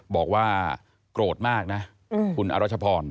บอกว่าโกรธมากนะคุณอรัชพร